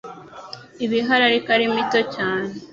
iba ihari ariko ari mito cyane